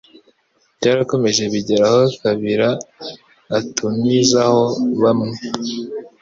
byarakomeje bigera aho Kabila atumizaho bamwe